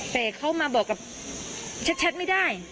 แต่เขามาบอกกับชัดไม่ได้